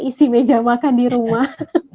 isi meja makan di rumah